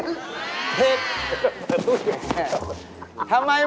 ดี